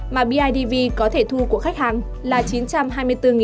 mà bidv có thể thu của khách hàng